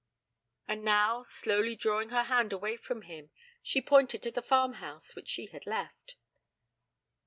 And now, slowly drawing her hand away from him, she pointed to the farmhouse which she had left.